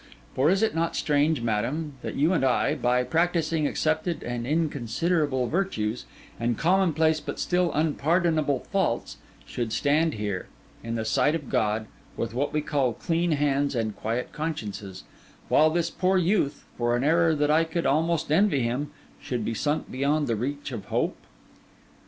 For is it not strange, madam, that you and I, by practising accepted and inconsiderable virtues, and commonplace but still unpardonable faults, should stand here, in the sight of God, with what we call clean hands and quiet consciences; while this poor youth, for an error that I could almost envy him, should be sunk beyond the reach of hope?